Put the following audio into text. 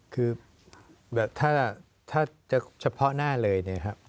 คือแบบถ้าจะเฉพาะหน้าเลยเนี่ยครับ